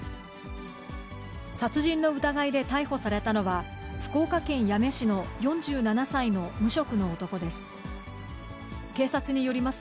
殺人の疑いで逮捕されたのは、福岡県八女市の４７歳の無職の男です。